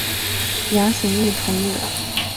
杨行密同意了。